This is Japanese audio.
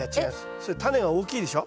それタネが大きいでしょ。